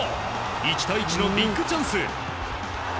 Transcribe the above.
１対１のビッグチャンス。